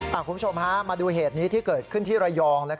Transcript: คุณผู้ชมฮะมาดูเหตุนี้ที่เกิดขึ้นที่ระยอง